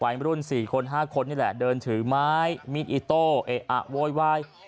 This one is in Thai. วัยรุ่น๔คน๕คนนี่แหละเดินถือไม้มีดอิโต้เอะอะโวยวาย